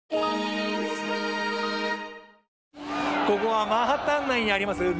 ここはマンハッタン内にあります